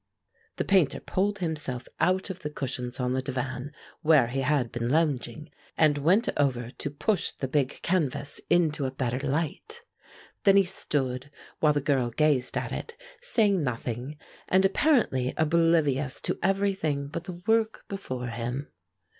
The Painter pulled himself out of the cushions on the divan where he had been lounging, and went over to push the big canvas into a better light. Then he stood, while the girl gazed at it, saying nothing, and apparently oblivious to everything but the work before him.